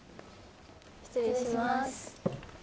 失礼します